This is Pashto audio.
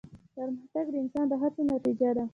پرمختګ د انسان د هڅو نتیجه ده.